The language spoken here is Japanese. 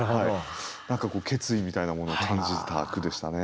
何かこう決意みたいなものを感じた句でしたね。